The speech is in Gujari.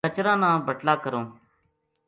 کچراں نا بٹلا کروں